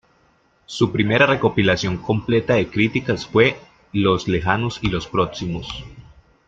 Su primera recopilación completa de críticas fue "Los lejanos y los próximos".